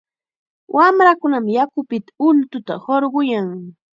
Wamrakunam yakupita ultuta hurquyan.